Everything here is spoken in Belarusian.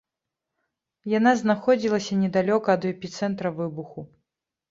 Яна знаходзілася недалёка ад эпіцэнтра выбуху.